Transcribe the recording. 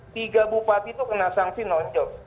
tiga bupati itu kena sanksi non job